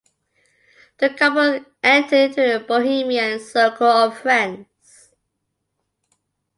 The couple entered into a bohemian circle of friends.